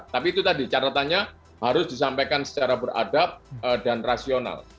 tapi itu tadi caratannya harus disampaikan secara beradab dan rasional